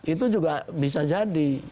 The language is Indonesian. itu juga bisa jadi